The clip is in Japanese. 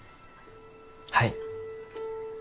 はい。